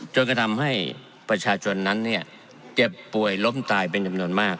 จนกระทำให้ประชาชนนั้นเจ็บป่วยล้มตายเป็นจำนวนมาก